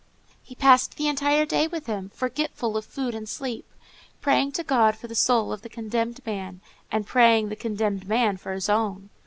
He passed the entire day with him, forgetful of food and sleep, praying to God for the soul of the condemned man, and praying the condemned man for his own.